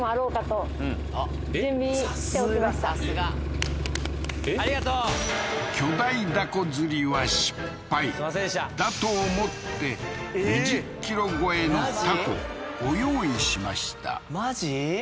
さすがありがとうだと思って２０ｋｇ超えのタコご用意しましたマジ？